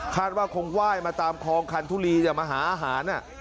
คาดว่าคงไหว้มาตามคองคันทุรีจะมาหาอาหาร